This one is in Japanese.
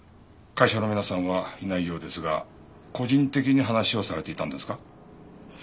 会社の皆さんはいないようですが個人的に話をされていたんですか？